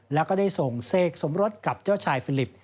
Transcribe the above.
แล้วก็ได้ส่งเสกสมรสกับเจ้าชายฟิลิป